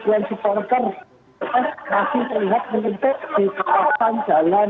ribuan supporter psis masih terlihat menentuk di kawasan jalan